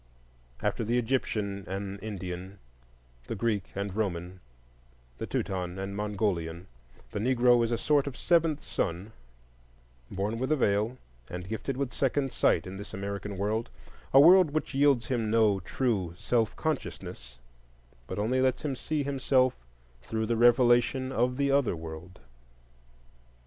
After the Egyptian and Indian, the Greek and Roman, the Teuton and Mongolian, the Negro is a sort of seventh son, born with a veil, and gifted with second sight in this American world,—a world which yields him no true self consciousness, but only lets him see himself through the revelation of the other world.